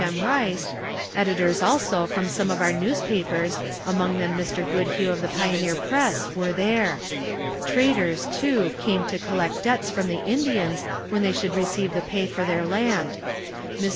M. Rice, editors also from some of our newspapers, among them Mr. Goodhue of the Pioneer Press, were there. Traders, too, came to collect debts from the Indians when they should receive the pay for their land. Mr.